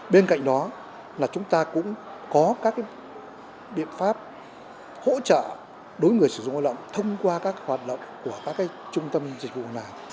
bên cạnh đó là chúng ta cũng có các biện pháp hỗ trợ đối với người sử dụng lao động thông qua các hoạt động của các trung tâm dịch vụ nào